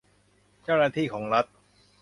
เจ้าหน้าที่ของรัฐ